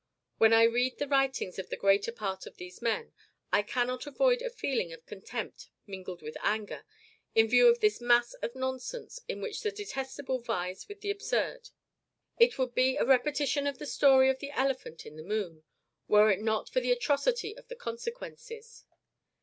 When I read the writings of the greater part of these men, I cannot avoid a feeling of contempt mingled with anger, in view of this mass of nonsense, in which the detestable vies with the absurd. It would be a repetition of the story of the elephant in the moon, were it not for the atrocity of the consequences.